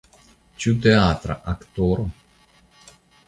Ĉu teatra aktoro?